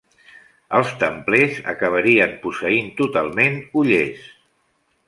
Els templers acabarien posseint totalment Ollers.